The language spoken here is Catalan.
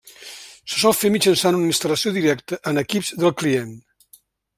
Se sol fer mitjançant una instal·lació directa en equips del client.